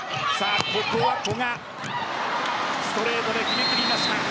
古賀、ストレートで決めきりました。